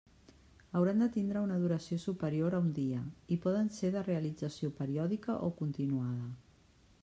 Hauran de tindre una duració superior a un dia i poden ser de realització periòdica o continuada.